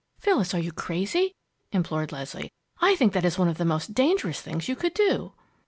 "Phyllis, are you crazy?" implored Leslie. "I think that is one of the most dangerous things you could do!"